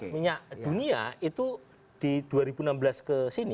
minyak dunia itu di dua ribu enam belas ke sini